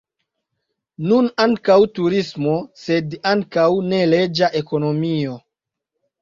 Nun ankaŭ turismo, sed ankaŭ neleĝa ekonomio.